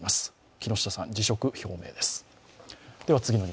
木下さん、辞職表明です。